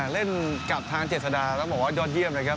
เล่นกลับทางจิ้มต่อโดดเยี่ยมเลยครับ